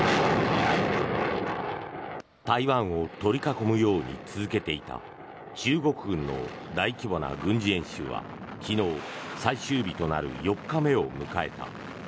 台湾を取り囲むように続けていた中国軍の大規模な軍事演習は昨日、最終日となる４日目を迎えた。